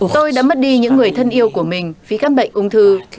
tôi đã mất đi những người thân yêu của mình vì các bệnh ung thư